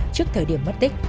trước thời điểm mất tích